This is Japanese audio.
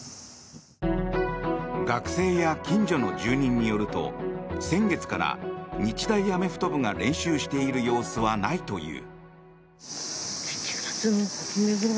学生や近所の住人によると先月から日大アメフト部が練習している様子はないという。